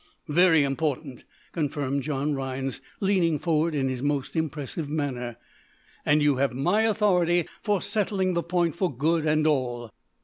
"Very important," confirmed John Rhinds, leaning forward in his most impressive manner. "And you have my authority for settling the point for good and all."